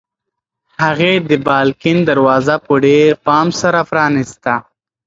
هغې د بالکن دروازه په ډېر پام سره پرانیسته.